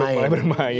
sudah mulai bermain